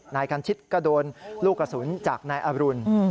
นายคันชิตก็โดนลูกกระสุนจากนายอรุณ